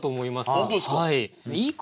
本当ですか。